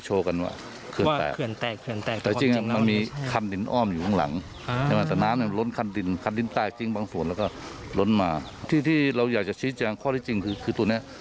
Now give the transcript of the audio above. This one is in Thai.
ชีวิตอย่างข้อที่จริงคือตัวนี้